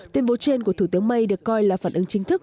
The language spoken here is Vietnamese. tuyên bố trên của thủ tướng may được coi là phản ứng chính thức